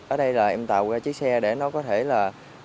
ở đây là em tạo ra chiếc xe để nó có thể là